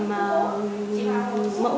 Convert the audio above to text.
mẫu và máu